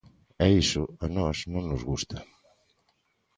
E iso a nós non nos gusta.